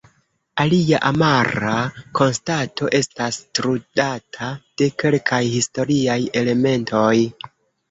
Alia amara konstato estas trudata de kelkaj historiaj elementoj.